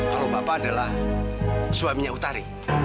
kalau bapak adalah suaminya utari